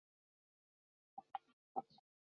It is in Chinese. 乾隆三年十一月初五日。